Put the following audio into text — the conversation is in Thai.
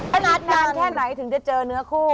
ขนาดนานแค่ไหนถึงจะเจอเนื้อคู่